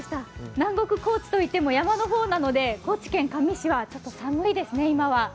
南国・高知といっても山の方なので高知県香美市はちょっと寒いですね、今は。